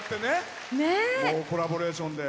コラボレーションで。